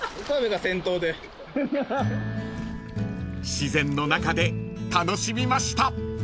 ［自然の中で楽しみました］